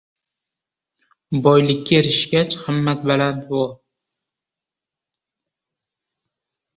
— Boylikka erishgach, himmatbaland bo‘l.